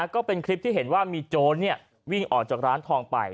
ก็เป็นคลิปที่เห็นว่ามีโจรวิ่งออกจากร้านทองไป